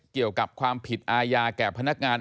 เกี่ยวกับความผิดอาญาแก่พนักงาน